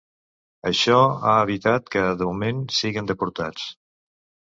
Això ha evitat que, de moment, siguen deportats.